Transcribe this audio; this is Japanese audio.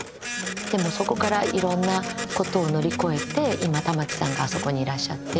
でもそこからいろんな事を乗り越えて今玉置さんがあそこにいらっしゃって。